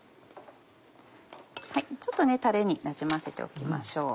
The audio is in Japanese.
ちょっとタレになじませておきましょう。